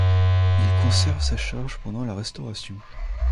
Il conserve sa charge pendant la Restauration.